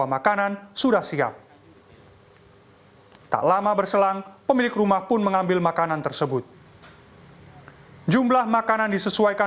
setiap hai tak lama berselang pemilik rumah pun mengambil makanan tersebut jumlah makanan disesuaikan